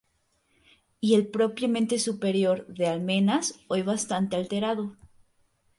Y el propiamente superior, de almenas, hoy bastante alterado.